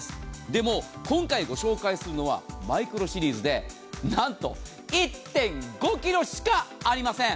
でも、今回ご紹介するのはマイクロシリーズでなんと１．５ｋｇしかありません。